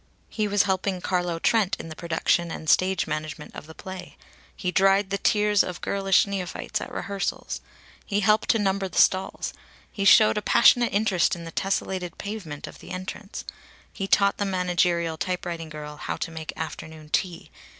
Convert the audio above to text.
He was helping Carlo Trent in the production and stage management of the play. He dried the tears of girlish neophytes at rehearsals. He helped to number the stalls. He showed a passionate interest in the tessellated pavement of the entrance. He taught the managerial typewriting girl how to make afternoon tea.